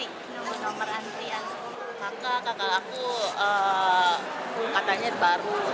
yang sepuluh kakak kakak aku katanya baru